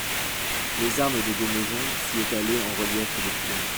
Les armes des deux maisons s'y étalaient en reliefs de couleur.